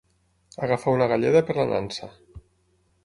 Agafar una galleda per la nansa.